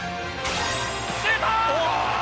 シュート！